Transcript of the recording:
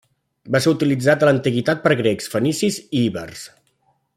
Va ser utilitzat en l'Antiguitat per grecs, fenicis i ibers.